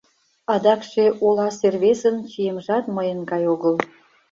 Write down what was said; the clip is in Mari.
Адакше оласе рвезын чиемжат мыйын гай огыл.